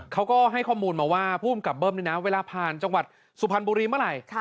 เขาก็ให้ข้อมูลมาว่าภูมิกับเบิ้มนี่นะเวลาผ่านจังหวัดสุพรรณบุรีเมื่อไหร่